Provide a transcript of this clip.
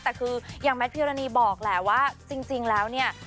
แต่คืออย่างแมทพิรณีบอกแหละว่าจริงแล้วเนี่ย